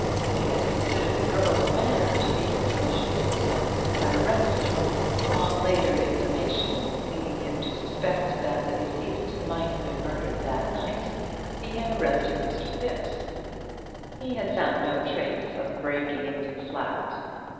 He had considered the girl's manner to be suspicious and had arrested her. On later information, leading him to suspect that the deceased might have been murdered that night, he had arrested Mr. Thipps. He had found no trace of breaking into the flat.